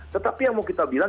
tetapi yang mau kita bilang